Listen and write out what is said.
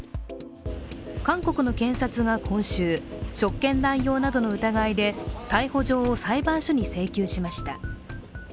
韓国の検察が今週職権乱用などの疑いで逮捕状を裁判所に請求しました。